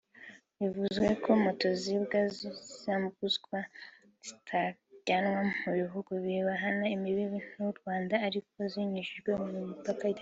Bivugwa ko moto zibwa zambutwa zikajyanwa mu bihugu bihana imbibe n’u Rwanda ariko zinyujijwe ku mipaka itemewe